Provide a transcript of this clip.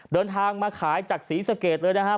เดินทางมาขายจากศรีสะเกดเลยนะครับ